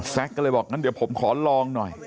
แซ็กก็เลยบอกเดี๋ยวผมขอลองน้อย